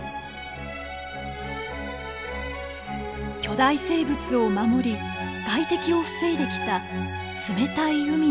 巨大生物を守り外敵を防いできた冷たい海のバリア。